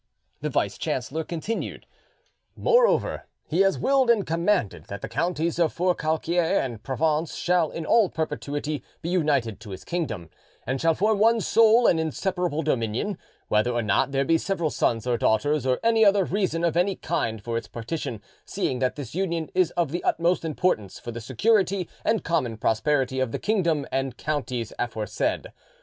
The vice chancellor continued: "Moreover, he has willed and commanded that the counties of Forcalquier and Provence shall in all perpetuity be united to his kingdom, and shall form one sole and inseparable dominion, whether or not there be several sons or daughters or any other reason of any kind for its partition, seeing that this union is of the utmost importance for the security and common prosperity of the kingdom and counties aforesaid.